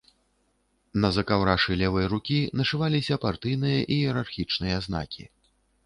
На закаўрашы левай рукі нашываліся партыйныя іерархічныя знакі.